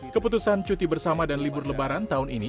keputusan cuti bersama dan libur lebaran tahun ini